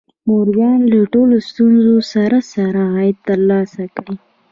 مورګان له ټولو ستونزو سره سره عاید ترلاسه کړ